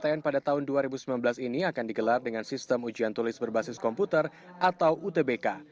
tn pada tahun dua ribu sembilan belas ini akan digelar dengan sistem ujian tulis berbasis komputer atau utbk